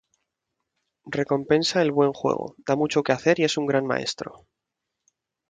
Recompensa el buen juego, da mucho que hacer y es un gran maestro≫.